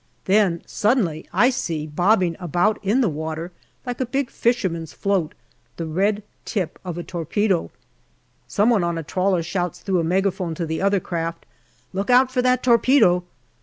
Then suddenly I see bobbing about in the water, like a big fisherman's float, the red tip of a torpedo. Some one on a trawler shouts through a megaphone to the other craft, " Look out for that torpedo